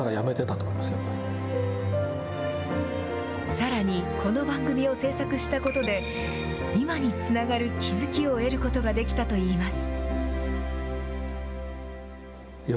さらに、この番組を制作したことで、今につながる気付きを得ることができたといいます。